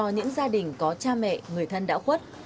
những gia đình có cha mẹ người thân đã khuất